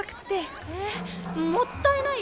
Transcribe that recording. えもったいないよ